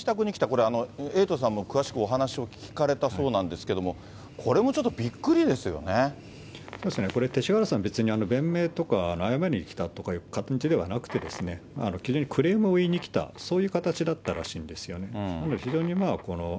これ、エイトさんも詳しくお話を聞かれたそうなんですけれども、これもそうですね、これ、勅使河原さん、別に弁明とか謝りに来たという形ではなくて、非常に、クレームを言いに来た、そういう形だったらしいんですよね。